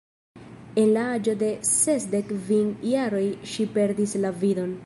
En la aĝo de sesdek kvin jaroj ŝi perdis la vidon.